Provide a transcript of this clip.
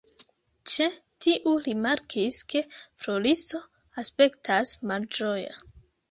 Ĉe tiu rimarkis, ke Floriso aspektas malĝoja.